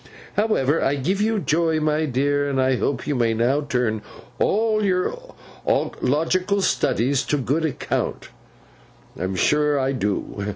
However, I give you joy, my dear—and I hope you may now turn all your ological studies to good account, I am sure I do!